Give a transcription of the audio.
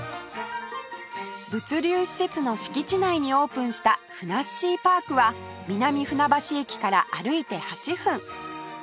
物流施設の敷地内にオープンしたふなっしーパークは南船橋駅から歩いて８分